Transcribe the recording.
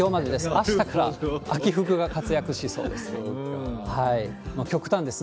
あしたから秋服が活躍しそうです。